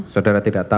saudara tidak tahu